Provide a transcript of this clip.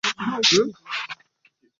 kata tu ya vingunguti inashindwa kutangazwa